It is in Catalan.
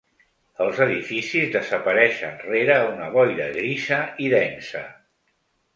Els edificis desapareixen rere una boira grisa i densa.